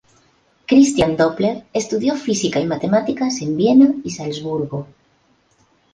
Christian Doppler estudió física y matemáticas en Viena y Salzburgo.